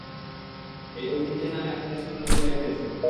এই ঐতিহ্যের নামে আপনি তার সন্তানকে মেরে ফেলেছেন?